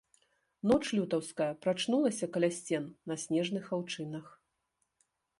Ноч лютаўская прачнулася каля сцен на снежных аўчынах.